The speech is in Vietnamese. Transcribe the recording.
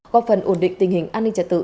góp phần ổn định tình hình an ninh trật tự